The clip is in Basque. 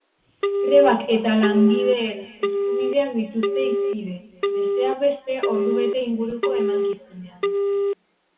Grebak eta langideen eskubideak dituzte hizpide, besteak beste, ordubete inguruko emankizunean.